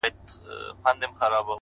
ما خپل گڼي اوس يې لا خـپـل نه يـمه؛